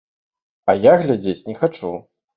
А я глядзець не хачу.